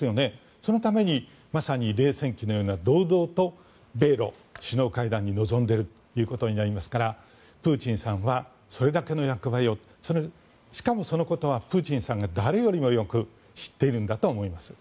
そのためにまさに冷戦期のような堂々と米ロ首脳会談に臨んでいるということになりますからプーチンさんはそれだけの役割をしかもそのことはプーチンさんが誰よりもよく知っているんだと思います。